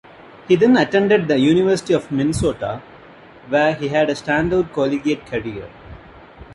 He then attended the University of Minnesota where he had a standout collegiate career.